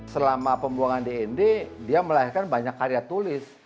selama pembuangan di nd dia melahirkan banyak karya tulis